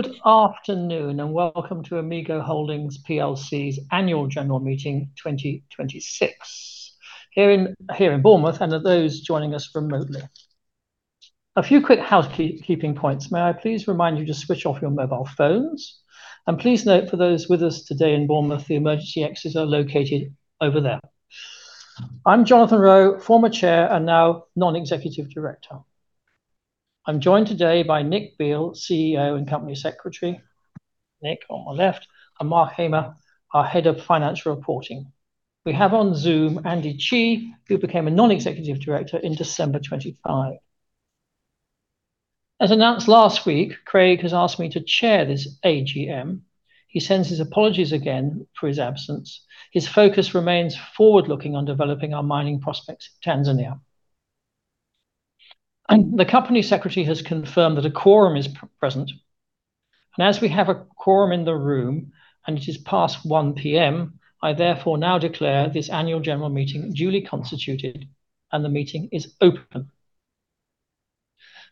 Good afternoon, welcome to Amigo Holdings PLC's Annual General Meeting 2026 here in Bournemouth and those joining us remotely. A few quick housekeeping points. May I please remind you to switch off your mobile phones and please note for those with us today in Bournemouth the emergency exits are located over there. I'm Jonathan Roe, former chair and now non-executive director. I'm joined today by Nick Beale, CEO and company secretary, Nick on my left, and Mark Hamer, our head of financial reporting. We have on Zoom Andy Chee, who became a non-executive director in December 25. As announced last week, Craig has asked me to chair this AGM. He sends his apologies again for his absence. His focus remains forward-looking on developing our mining prospects in Tanzania. The company secretary has confirmed that a quorum is present. As we have a quorum in the room, and it is past 1:00 P.M., I therefore now declare this Annual General Meeting duly constituted and the meeting is open.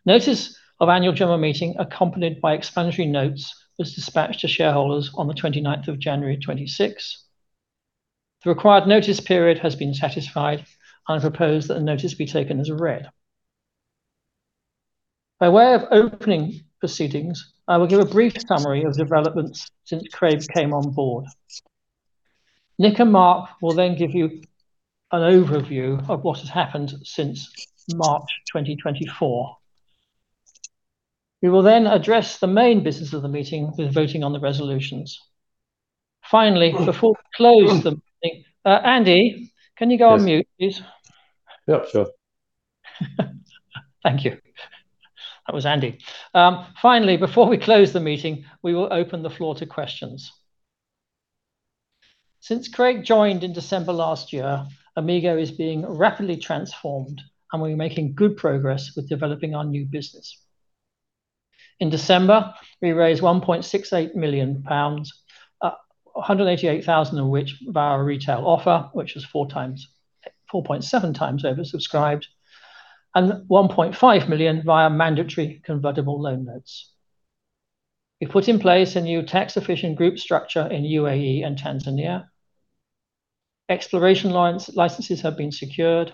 Notice of Annual General Meeting accompanied by explanatory notes was dispatched to shareholders on the 29th of January 2026. The required notice period has been satisfied. I propose that the notice be taken as read. By way of opening proceedings, I will give a brief summary of developments since Craig came on board. Nick and Mark will then give you an overview of what has happened since March 2024. We will address the main business of the meeting with voting on the resolutions. Finally, before we close the meeting, Andy, can you go on mute, please? Yep, sure. Thank you. That was Andy. Finally, before we close the meeting, we will open the floor to questions. Since Craig joined in December last year, Amigo is being rapidly transformed and we're making good progress with developing our new business. In December, we raised 1.68 million pounds, 188,000 of which via our retail offer, which was 4.7x oversubscribed, and 1.5 million via mandatory convertible loan notes. We put in place a new tax-efficient group structure in UAE and Tanzania. Exploration licenses have been secured.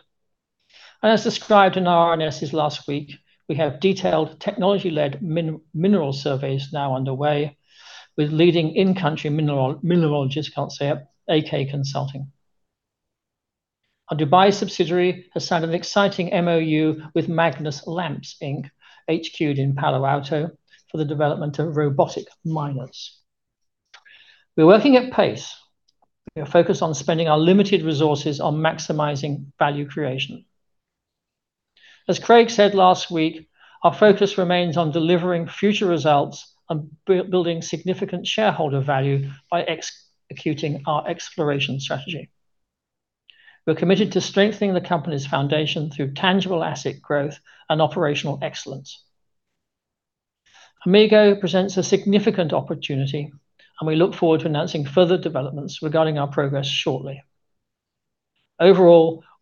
As described in our RNS last week, we have detailed technology-led mineral surveys now underway with leading in-country mineralogist AK Corporation. Our Dubai subsidiary has signed an exciting MOU with Magnus Lamps Inc, HQed in Palo Alto, for the development of robotic miners. We're working at pace. We are focused on spending our limited resources on maximizing value creation. As Craig said last week, our focus remains on delivering future results and building significant shareholder value by executing our exploration strategy. We're committed to strengthening the company's foundation through tangible asset growth and operational excellence. Amigo presents a significant opportunity, and we look forward to announcing further developments regarding our progress shortly.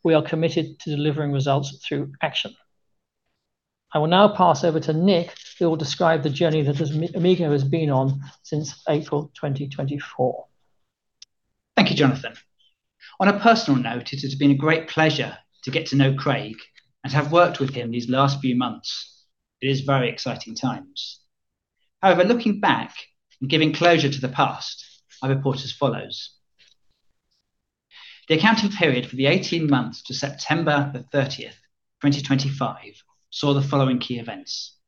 We are committed to delivering results through action. I will now pass over to Nick, who will describe the journey Amigo has been on since April 2024. Thank you, Jonathan. On a personal note, it has been a great pleasure to get to know Craig and have worked with him these last few months. It is very exciting times. Looking back and giving closure to the past, I report as follows. The accounting period for the 18 months to September 30th, 2025, saw the following key events.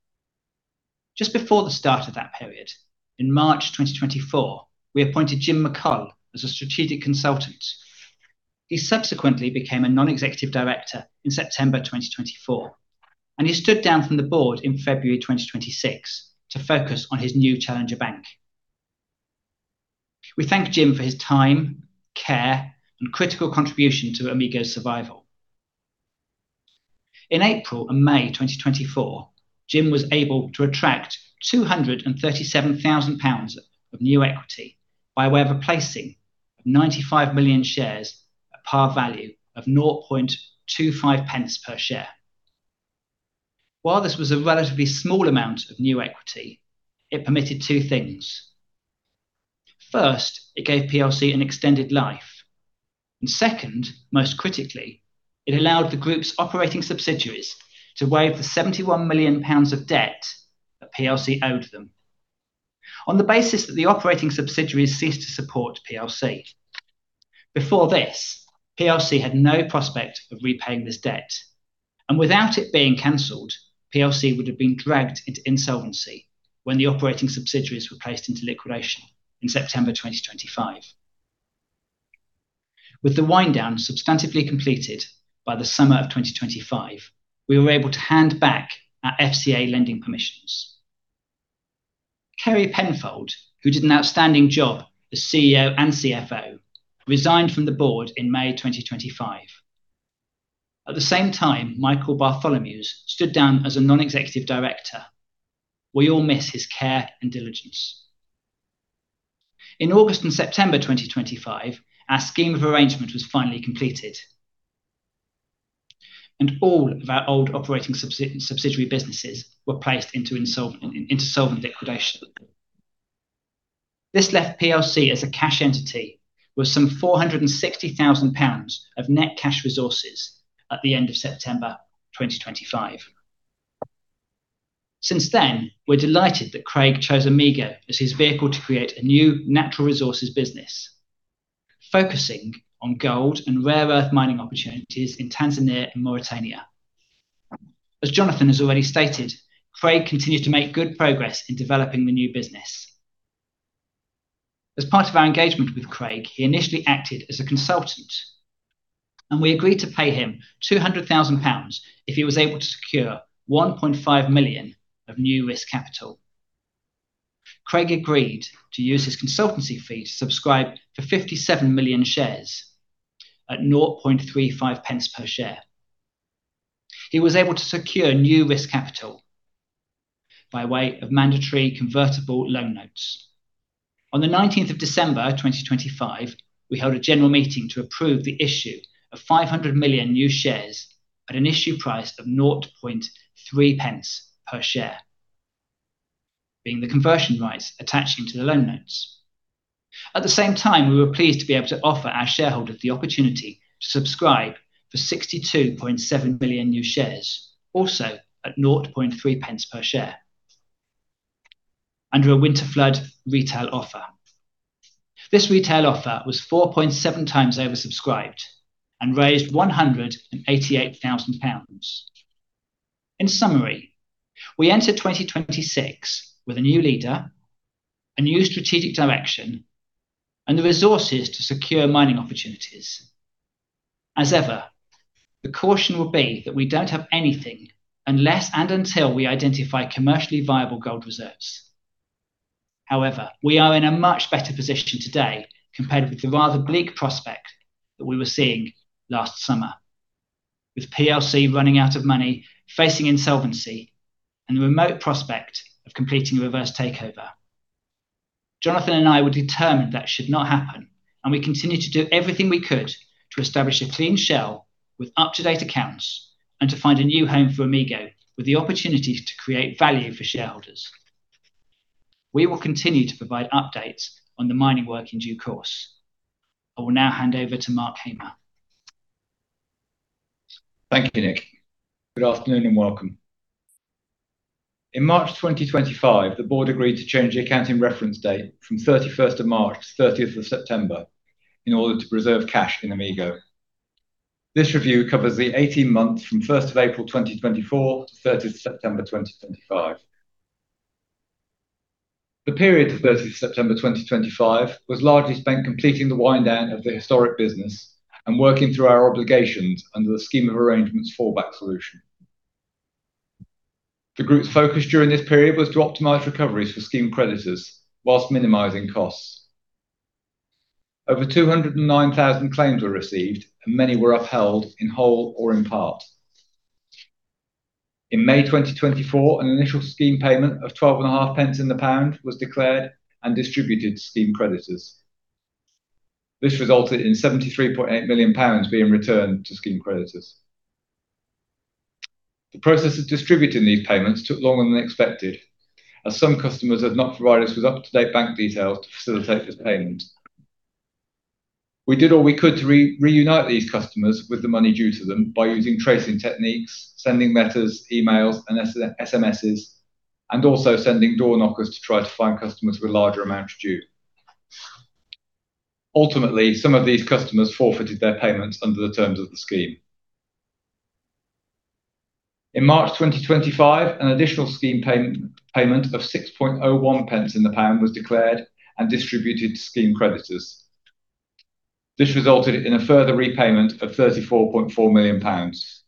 Just before the start of that period, in March 2024, we appointed Jim McColl as a strategic consultant. He subsequently became a non-executive director in September 2024, and he stood down from the board in February 2026 to focus on his new challenger bank. We thank Jim for his time, care, and critical contribution to Amigo's survival. In April and May 2024, Jim was able to attract 237,000 pounds of new equity by way of replacing 95 million shares at par value of 0.25 pence per share. While this was a relatively small amount of new equity, it permitted two things. First, it gave PLC an extended life. Second, most critically, it allowed the group's operating subsidiaries to waive the 71 million pounds of debt that PLC owed them on the basis that the operating subsidiaries ceased to support PLC. Before this, PLC had no prospect of repaying this debt, and without it being canceled, PLC would have been dragged into insolvency when the operating subsidiaries were placed into liquidation in September 2025. With the wind down substantively completed by the summer of 2025, we were able to hand back our FCA lending permissions. Kerry Penfold, who did an outstanding job as CEO and CFO, resigned from the board in May 2025. At the same time, Michael Bartholomeusz stood down as a non-executive director. We all miss his care and diligence. In August and September 2025, our Scheme of Arrangement was finally completed. All of our old operating subsidiary businesses were placed into insolvent liquidation. This left PLC as a cash entity with some 460,000 pounds of net cash resources at the end of September 2025. Since then, we're delighted that Craig chose Amigo as his vehicle to create a new natural resources business focusing on gold and rare earth mining opportunities in Tanzania and Mauritania. As Jonathan has already stated, Craig continues to make good progress in developing the new business. As part of our engagement with Craig, he initially acted as a consultant, and we agreed to pay him 200,000 pounds if he was able to secure 1.5 million of new risk capital. Craig agreed to use his consultancy fee to subscribe for 57 million shares at 0.0035 per share. He was able to secure new risk capital by way of mandatory convertible loan notes. On the 19th of December 2025, we held a general meeting to approve the issue of 500 million new shares at an issue price of 0.003 per share, being the conversion rights attaching to the loan notes. At the same time, we were pleased to be able to offer our shareholders the opportunity to subscribe for 62.7 million new shares, also at 0.3 pence per share under a Winterflood retail offer. This retail offer was 4.7x oversubscribed and raised 188,000 pounds. In summary, we enter 2026 with a new leader, a new strategic direction, and the resources to secure mining opportunities. As ever, the caution will be that we don't have anything unless and until we identify commercially viable gold reserves. However, we are in a much better position today compared with the rather bleak prospect that we were seeing last summer, with PLC running out of money, facing insolvency and the remote prospect of completing a reverse takeover. Jonathan and I were determined that should not happen, and we continued to do everything we could to establish a clean shell with up-to-date accounts and to find a new home for Amigo with the opportunity to create value for shareholders. We will continue to provide updates on the mining work in due course. I will now hand over to Mark Hamer. Thank you, Nick. Good afternoon and welcome. In March 2025, the board agreed to change the accounting reference date from 31st of March to 30th of September in order to preserve cash in Amigo. This review covers the 18 months from 1st of April 2024 to 30th September 2025. The period to 30th September 2025 was largely spent completing the wind down of the historic business and working through our obligations under the Scheme of Arrangement's fallback solution. The group's focus during this period was to optimize recoveries for scheme creditors whilst minimizing costs. Over 209,000 claims were received and many were upheld in whole or in part. In May 2024, an initial scheme payment of 12.5 pence in the GBP was declared and distributed to scheme creditors. This resulted in 73.8 million pounds being returned to scheme creditors. The process of distributing these payments took longer than expected, as some customers had not provided us with up-to-date bank details to facilitate the payment. We did all we could to reunite these customers with the money due to them by using tracing techniques, sending letters, emails and SMSs, and also sending door knockers to try to find customers with larger amounts due. Ultimately, some of these customers forfeited their payments under the terms of the scheme. In March 2025, an additional scheme payment of 6.01 pence in the pound was declared and distributed to scheme creditors. This resulted in a further repayment of 34.4 million pounds.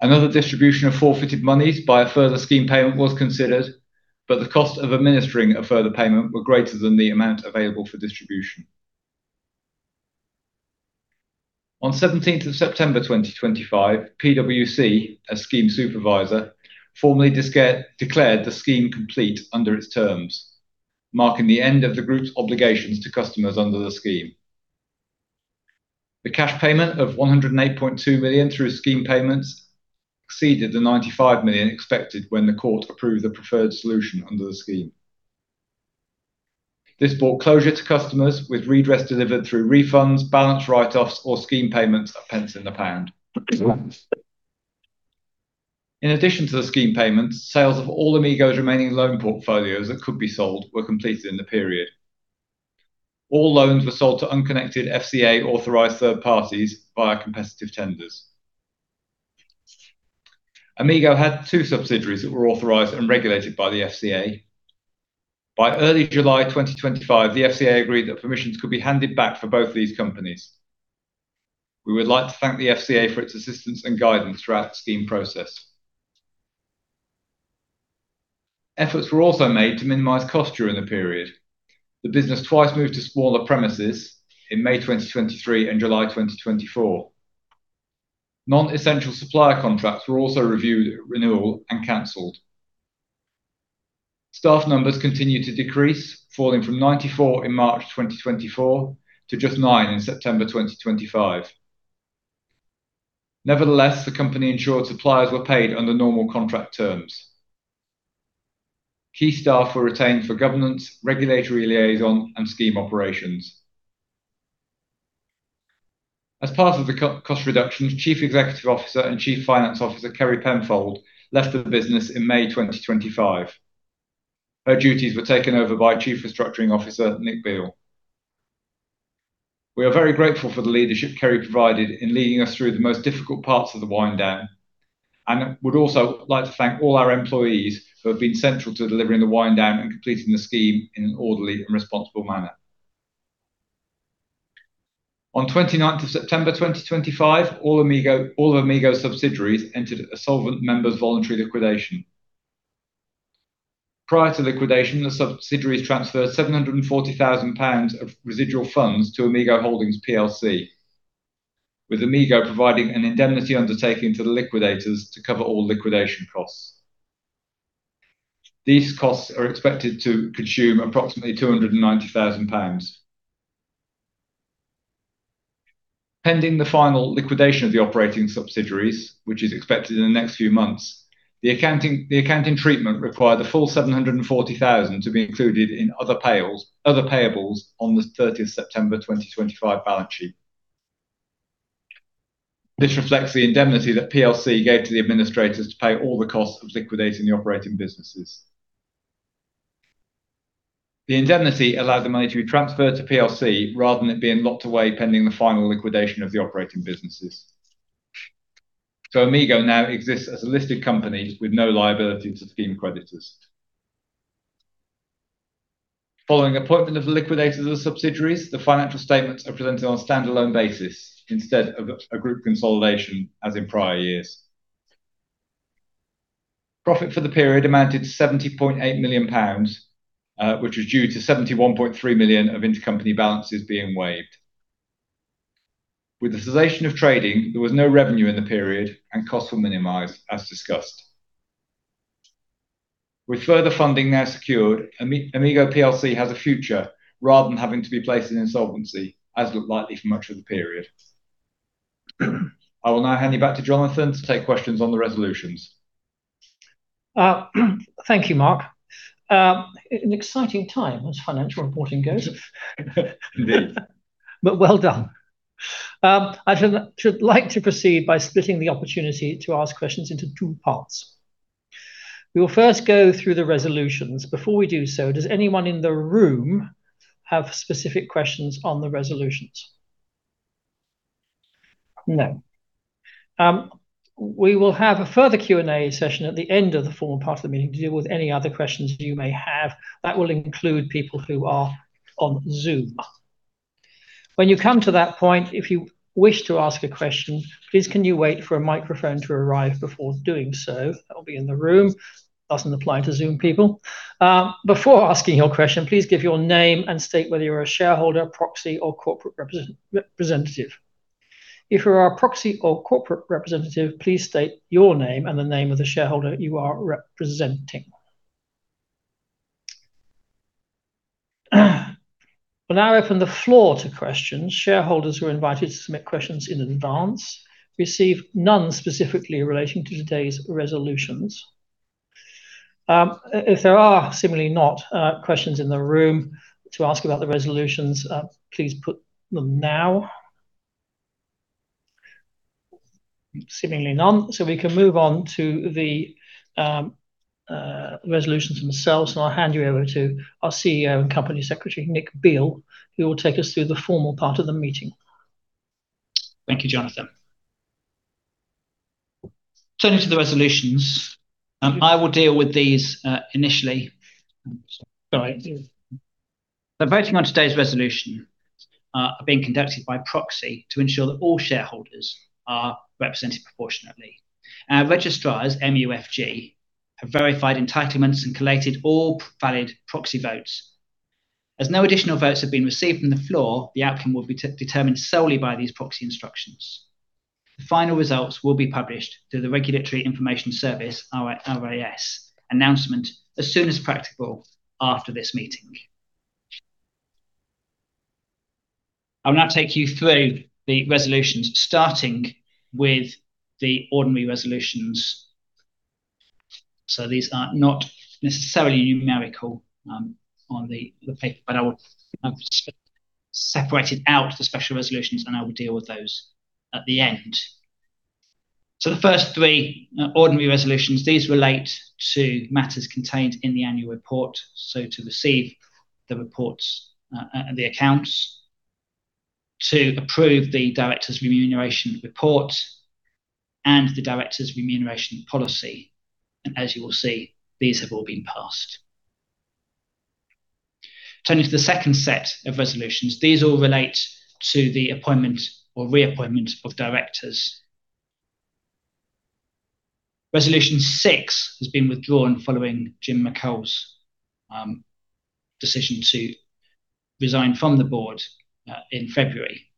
Another distribution of forfeited monies by a further scheme payment was considered. The cost of administering a further payment were greater than the amount available for distribution. On seventeenth of September 2025, PwC, as scheme supervisor, formally declared the scheme complete under its terms, marking the end of the group's obligations to customers under the scheme. The cash payment of 108.2 million through scheme payments exceeded the 95 million expected when the court approved the preferred solution under the scheme. This brought closure to customers with redress delivered through refunds, balance write-offs, or scheme payments of pence in the pound. In addition to the scheme payments, sales of all Amigo's remaining loan portfolios that could be sold were completed in the period. All loans were sold to unconnected FCA-authorized third parties via competitive tenders. Amigo had two subsidiaries that were authorized and regulated by the FCA. By early July 2025, the FCA agreed that permissions could be handed back for both of these companies. We would like to thank the FCA for its assistance and guidance throughout the scheme process. Efforts were also made to minimize cost during the period. The business twice moved to smaller premises in May 2023 and July 2024. Non-essential supplier contracts were also reviewed at renewal and canceled. Staff numbers continued to decrease, falling from 94 in March 2024 to just nine in September 2025. Nevertheless, the company ensured suppliers were paid under normal contract terms. Key staff were retained for governance, regulatory liaison, and scheme operations. As part of the co-cost reductions, Chief Executive Officer and Chief Finance Officer, Kerry Penfold, left the business in May 2025. Her duties were taken over by Chief Restructuring Officer Nick Beale. We are very grateful for the leadership Kerry provided in leading us through the most difficult parts of the wind down, and would also like to thank all our employees who have been central to delivering the wind down and completing the scheme in an orderly and responsible manner. On 29th of September 2025, all Amigo subsidiaries entered a solvent members' voluntary liquidation. Prior to liquidation, the subsidiaries transferred 740,000 pounds of residual funds to Amigo Holdings PLC, with Amigo providing an indemnity undertaking to the liquidators to cover all liquidation costs. These costs are expected to consume approximately 290,000 pounds. Pending the final liquidation of the operating subsidiaries, which is expected in the next few months, the accounting treatment required the full 740,000 to be included in other payables on the 30th September 2025 balance sheet. This reflects the indemnity that PLC gave to the administrators to pay all the costs of liquidating the operating businesses. The indemnity allowed the money to be transferred to PLC rather than it being locked away pending the final liquidation of the operating businesses. Amigo now exists as a listed company with no liability to scheme creditors. Following appointment of the liquidators of subsidiaries, the financial statements are presented on a standalone basis instead of a group consolidation as in prior years. Profit for the period amounted to 70.8 million pounds, which was due to 71.3 million of intercompany balances being waived. With the cessation of trading, there was no revenue in the period, and costs were minimized as discussed. With further funding now secured, Amigo PLC has a future rather than having to be placed in insolvency as looked likely for much of the period. I will now hand you back to Jonathan to take questions on the resolutions. Thank you, Mark. An exciting time as financial reporting goes. Indeed. Well done. I should like to proceed by splitting the opportunity to ask questions into two parts. We will first go through the resolutions. Before we do so, does anyone in the room have specific questions on the resolutions? No. We will have a further Q&A session at the end of the forum part of the meeting to deal with any other questions you may have. That will include people who are on Zoom. When you come to that point, if you wish to ask a question, please can you wait for a microphone to arrive before doing so. That'll be in the room. Doesn't apply to Zoom people. Before asking your question, please give your name and state whether you're a shareholder, proxy or corporate representative. If you are a proxy or corporate representative, please state your name and the name of the shareholder you are representing. We'll now open the floor to questions. Shareholders who were invited to submit questions in advance received none specifically relating to today's resolutions. If there are seemingly not questions in the room to ask about the resolutions, please put them now. Seemingly none. We can move on to the resolutions themselves, and I'll hand you over to our CEO and company secretary, Nick Beale, who will take us through the formal part of the meeting. Thank you, Jonathan. Turning to the resolutions, I will deal with these initially. Sorry. The voting on today's resolution are being conducted by proxy to ensure that all shareholders are represented proportionately. Our registrars, MUFG, have verified entitlements and collated all valid proxy votes. As no additional votes have been received from the floor, the outcome will be de-determined solely by these proxy instructions. The final results will be published through the Regulatory Information Service, RIS announcement as soon as practical after this meeting. I'll now take you through the resolutions, starting with the ordinary resolutions. These are not necessarily numerical on the paper, I've separated out the special resolutions, and I will deal with those at the end. The first three ordinary resolutions, these relate to matters contained in the annual report. To receive the reports, the accounts, to approve the directors' remuneration report and the directors' remuneration policy. As you will see, these have all been passed. Turning to the second set of resolutions, these all relate to the appointment or reappointment of directors. Resolution 6 has been withdrawn following Jim McColl's decision to resign from the board in February.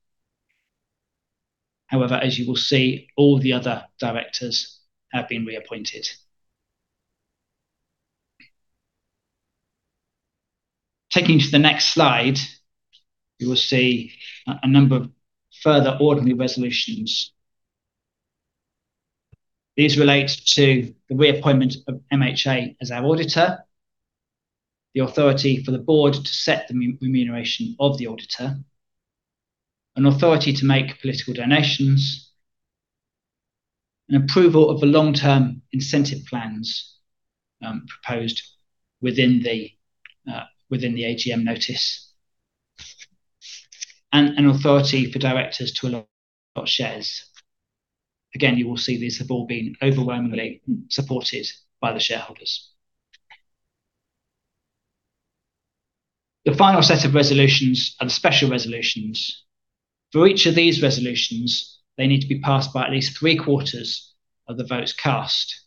However, as you will see, all the other directors have been reappointed. Taking to the next slide, you will see a number of further ordinary resolutions. These relate to the reappointment of MHA as our auditor, the authority for the board to set the re-remuneration of the auditor, an authority to make political donations, an approval of the long-term incentive plans proposed within the within the AGM notice, and an authority for directors to allot shares. Again, you will see these have all been overwhelmingly supported by the shareholders. The final set of resolutions are the special resolutions. For each of these resolutions, they need to be passed by at least 3/4 of the votes cast.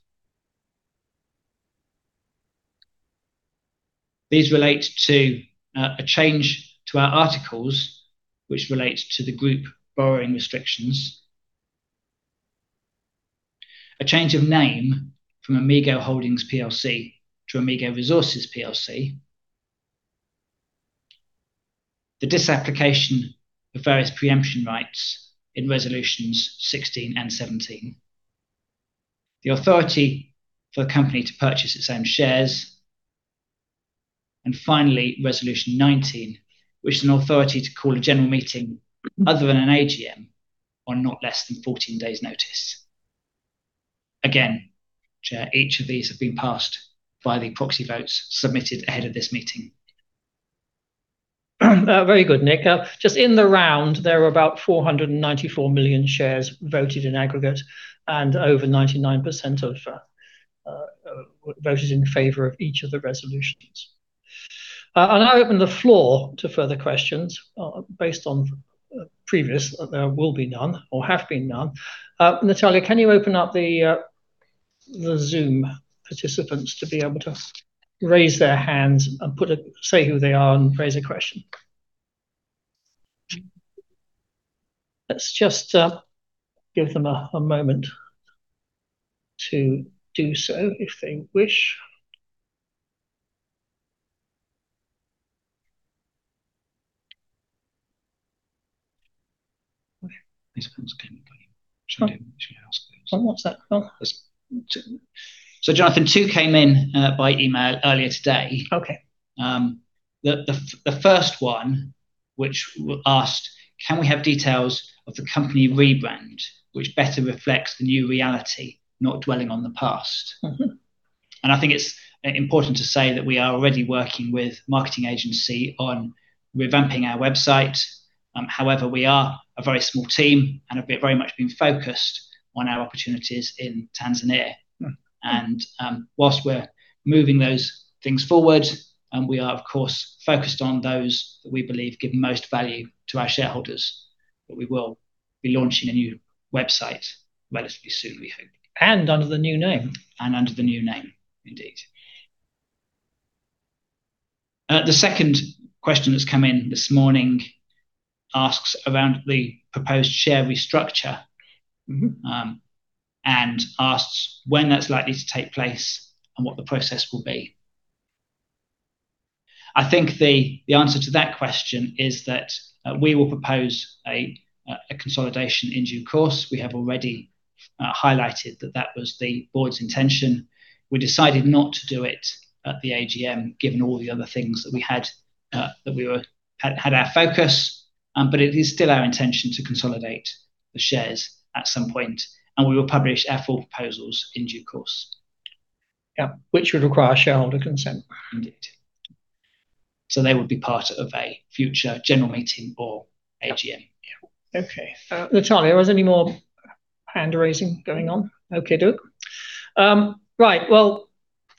These relate to a change to our articles, which relates to the group borrowing restrictions; a change of name from Amigo Holdings PLC to Amigo Resources PLC; the disapplication of various preemption rights in resolutions 16 and 17; the authority for a company to purchase its own shares; and finally, resolution 19, which is an authority to call a general meeting other than an AGM on not less than 14 days' notice. Chair, each of these have been passed via the proxy votes submitted ahead of this meeting. Very good, Nick. Just in the round, there were about 494 million shares voted in aggregate, and over 99% voted in favor of each of the resolutions. I'll now open the floor to further questions. Based on previous, there will be none or have been none. Natalia, can you open up the Zoom participants to be able to raise their hands and say who they are and raise a question? Let's just give them a moment to do so if they wish. These ones came by email. Sure. Should we ask those? What's that, Nick? Jonathan, two came in by email earlier today. Okay. The first one which asked, "Can we have details of the company rebrand which better reflects the new reality, not dwelling on the past? Mm-hmm. I think it's important to say that we are already working with marketing agency on revamping our website. However, we are a very small team and have been very much focused on our opportunities in Tanzania. Mm. Whilst we're moving those things forward and we are, of course, focused on those that we believe give most value to our shareholders. We will be launching a new website relatively soon, we hope. Under the new name. Under the new name. Indeed. The second question that's come in this morning asks around the proposed share restructure. Mm-hmm Asks when that's likely to take place and what the process will be. I think the answer to that question is that we will propose a consolidation in due course. We have already highlighted that that was the board's intention. We decided not to do it at the AGM given all the other things that we had had our focus, it is still our intention to consolidate the shares at some point, and we will publish our full proposals in due course. Yeah. Which would require shareholder consent. Indeed. They would be part of a future general meeting or AGM. Yeah. Okay. Natalia, are there any more hand-raising going on? Okay-doke. Right. Well,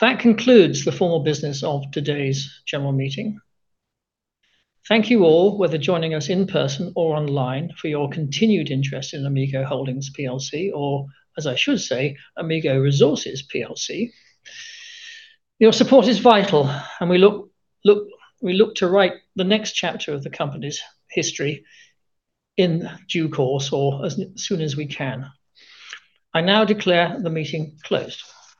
that concludes the formal business of today's general meeting. Thank you all, whether joining us in person or online, for your continued interest in Amigo Holdings PLC or, as I should say, Amigo Resources PLC. Your support is vital, and we look to write the next chapter of the company's history in due course or as soon as we can. I now declare the meeting closed.